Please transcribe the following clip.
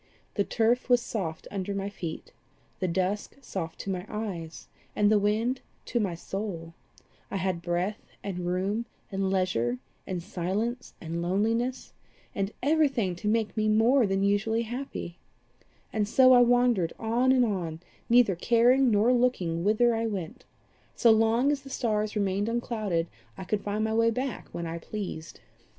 The turf was soft under my feet, the dusk soft to my eyes, and the wind to my soul; I had breath and room and leisure and silence and loneliness, and everything to make me more than usually happy; and so I wandered on and on, neither caring nor looking whither I went: so long as the stars remained unclouded, I could find my way back when I pleased.